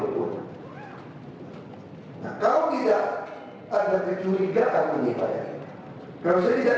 pakai jasad itu lebih kuat diperbedakan